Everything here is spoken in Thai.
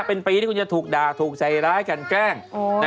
เป็นปีที่จะถูกด่าถูกใจร้ายแก่ง